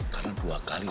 karena dua kali loh